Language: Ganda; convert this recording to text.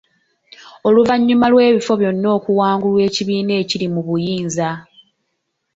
Oluvannyuma lw’ebifo byonna okuwangulwa ekibiina ekiri mu buyinza.